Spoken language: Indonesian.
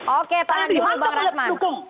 oke tahan dulu bang rasman